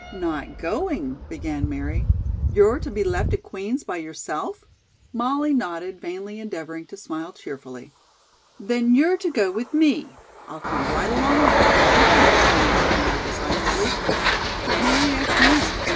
"Not going?" began Mary. "You're to be left at Queen's by yourself?" Molly nodded, vainly endeavoring to smile cheerfully. "Then you're to go with me. I'll come right along now and help you pack," announced Mary decisively. "But, Mary, I can't.